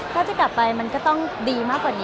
ถ้าจะกลับไปก็ต้องดีมากกว่าหรือ